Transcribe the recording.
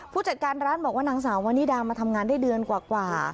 ผู้จัดการร้านบอกว่านางสาววานิดามาทำงานได้เดือนกว่า